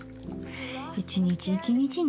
一日一日ね。